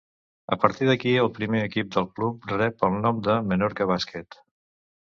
A partir d'aquí, el primer equip del club rep el nom de Menorca Bàsquet.